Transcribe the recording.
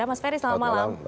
mas ferry selamat malam